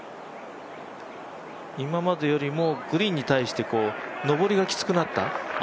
今までよりもグリーンに対して上りがきつくなった。